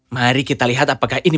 mari kita lihat apakah ini